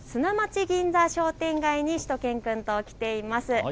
砂町銀座商店街にしゅと犬くんと来ています。